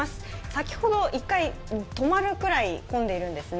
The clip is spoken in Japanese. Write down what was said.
先ほど１回、止まるくらい混んでいるんですね。